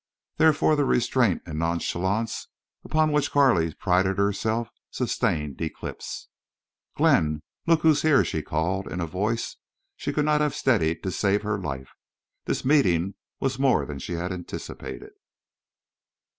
Therefore the restraint and nonchalance upon which Carley prided herself sustained eclipse. "Glenn! Look—who's—here!" she called, in voice she could not have steadied to save her life. This meeting was more than she had anticipated.